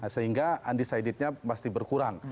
sehingga undecided nya pasti berkurang